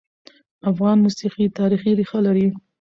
افغان موسیقي تاریخي ريښه لري.